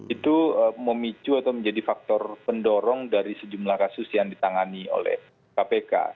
itu memicu atau menjadi faktor pendorong dari sejumlah kasus yang ditangani oleh kpk